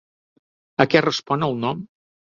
A què respon el nom?